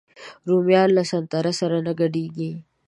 رومیان له سنتر سره نه ګډېږي